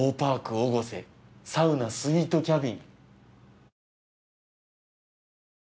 おごせサウナスイートキャビン。